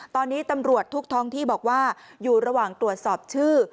ตอนนี้ตำรวจทุกท้องที่บอกว่าอยู่ระหว่างตรวจสอบชื่อ